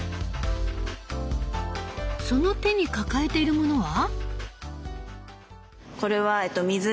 その手に抱えているものは？